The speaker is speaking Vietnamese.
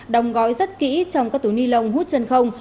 đóng gói rất kỹ trong các túi ni lông hút chân không